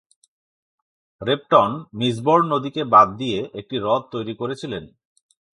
রেপটন মিসবোর্ন নদীকে বাঁধ দিয়ে একটি হ্রদ তৈরি করেছিলেন।